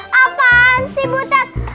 bukan si butet